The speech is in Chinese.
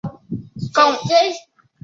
粤语粗口看似有音无字。